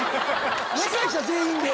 司会者全員で。